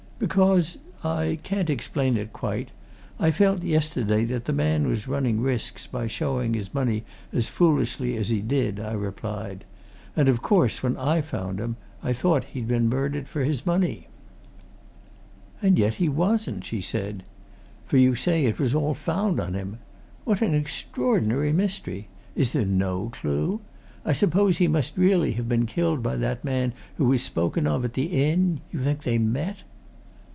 "Because I can't explain it, quite I felt, yesterday, that the man was running risks by showing his money as foolishly as he did," I replied. "And, of course, when I found him, I thought he'd been murdered for his money." "And yet he wasn't!" she said. "For you say it was all found on him. What an extraordinary mystery! Is there no clue? I suppose he must really have been killed by that man who was spoken of at the inn? You think they met?"